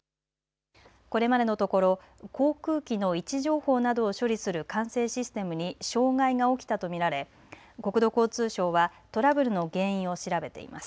これまでのところ航空機の位置情報などを処理する管制システムに障害が起きたと見られ国土交通省はトラブルの原因を調べています。